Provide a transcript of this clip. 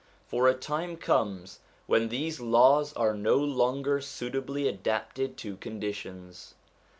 For a time comes when these laws are no longer suitably adapted to conditions.